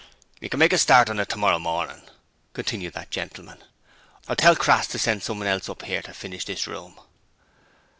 'You can make a start on it tomorrow morning,' continued that gentleman. 'I'll tell Crass to send someone else up 'ere to finish this room.'